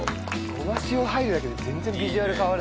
ごま塩入るだけで全然ビジュアル変わるね。